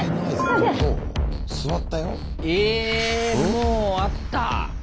もうあった。